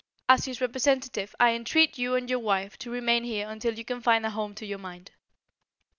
As his representative I entreat you and your wife to remain here until you can find a home to your mind."